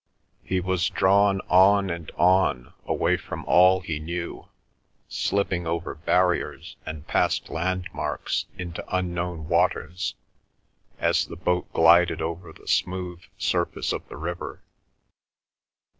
He was drawn on and on away from all he knew, slipping over barriers and past landmarks into unknown waters as the boat glided over the smooth surface of the river.